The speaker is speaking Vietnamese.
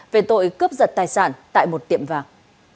về tội cướp giật tài sản tại một tiệm vàng